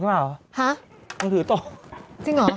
จริงเหรอ